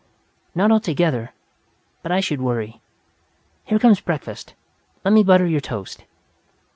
"Not altogether. But I should worry! Here comes breakfast. Let me butter your toast."